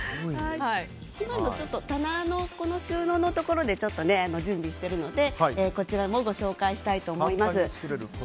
今の棚の収納のところで準備しているのでこちらもご紹介したいと思います。